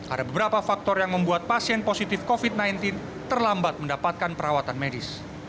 ada beberapa faktor yang membuat pasien positif covid sembilan belas terlambat mendapatkan perawatan medis